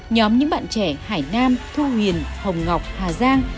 nhóm những bạn trẻ hải nam thu huyền hồng ngọc hà giang